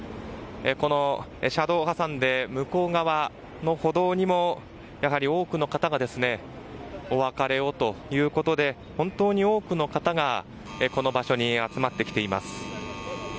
この車道を挟んで向こう側の歩道にもやはり多くの方がお別れをということで本当に多くの方がこの場所に集まってきています。